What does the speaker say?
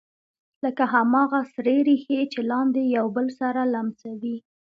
لکه هماغه سرې ریښې چې لاندې یو بل سره لمسوي